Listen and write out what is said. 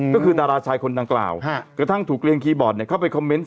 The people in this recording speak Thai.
ก็คือดาราชายคนดังกล่าวกระทั่งถูกเรียนคีย์บอร์ดเข้าไปคอมเมนต